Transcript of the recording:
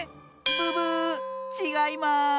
ブブーッちがいます！